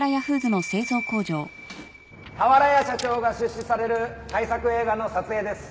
俵屋社長が出資される大作映画の撮影です。